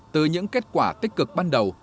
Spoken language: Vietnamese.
từ những kết quả tích cực ban đầu